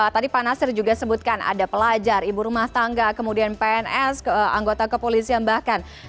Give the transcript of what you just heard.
tadi pak nasir juga sebutkan ada pelajar ibu rumah tangga kemudian pns anggota kepolisian bahkan